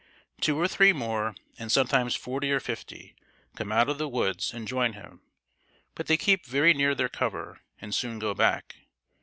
Two or three more, and sometimes forty or fifty, come out of the woods and join him, but they keep very near their cover, and soon go back.